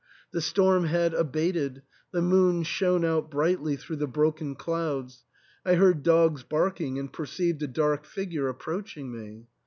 The storm had abated ; the moon shone out brightly through the broken clouds ; I heard dogs barking, and perceived a dark figure approaching me.